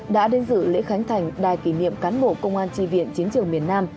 đã đến dự lễ khánh thành đài kỷ niệm cán bộ công an tri viện chiến trường miền nam